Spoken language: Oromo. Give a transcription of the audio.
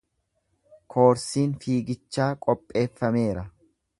Koorsiin fiigichaa qopheeffameera.